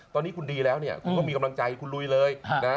ตอนนี้คุณดีแล้วเนี่ยคุณก็มีกำลังใจคุณลุยเลยนะ